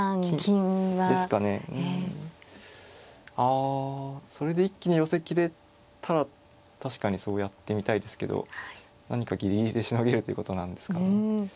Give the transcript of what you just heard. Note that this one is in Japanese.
あそれで一気に寄せきれたら確かにそうやってみたいですけど何かギリギリでしのげるということなんですかね。